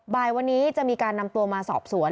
บ่ายวันนี้จะมีการนำตัวมาสอบสวน